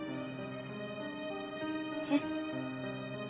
えっ？